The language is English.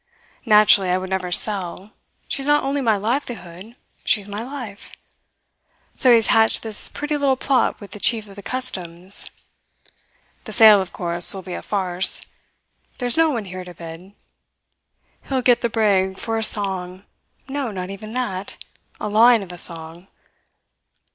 Naturally, I would never sell. She is not only my livelihood; she's my life. So he has hatched this pretty little plot with the chief of the customs. The sale, of course, will be a farce. There's no one here to bid. He will get the brig for a song no, not even that a line of a song.